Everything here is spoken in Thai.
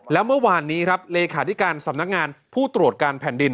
แล้วเมื่อวานนี้ครับเลขาธิการสำนักงานผู้ตรวจการแผ่นดิน